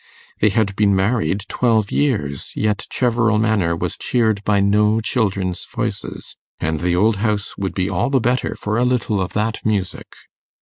They had been married twelve years, yet Cheverel Manor was cheered by no children's voices, and the old house would be all the better for a little of that music.